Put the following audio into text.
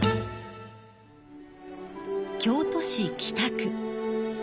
京都市北区。